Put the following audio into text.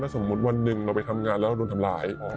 สมมุติวันหนึ่งเราไปทำงานแล้วเราโดนทำร้าย